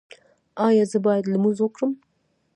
ایا زه باید لمونځ وکړم؟